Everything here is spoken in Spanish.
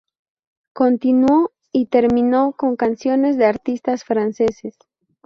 Continuó y terminó con canciones de artistas franceses.